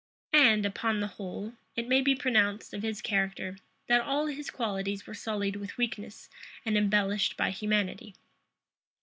And, upon the whole, it may be pronounced of his character, that all his qualities were sullied with weakness and embellished by humanity.